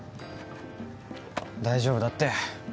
大丈夫だって。